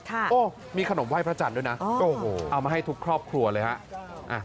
ค่ะโอ้โฮมีขนมไหว้พระจันทร์ด้วยนะเอามาให้ทุกครอบครัวเลยครับ